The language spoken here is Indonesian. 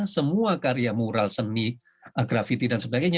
semua karya mural seni grafiti dan sebagainya